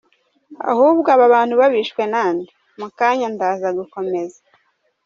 Ahubwo aba bantu na bo bishwe nande ? Mu kanya ndaza gukomeza…”.